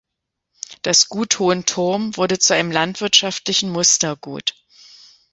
Das Gut Hohenthurm wurde zu einem landwirtschaftlichen Mustergut.